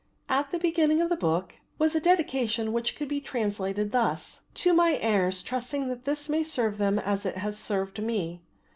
At the beginning of the book was a dedication which could be translated thus: "To my heirs trusting that this may serve them as it has served me."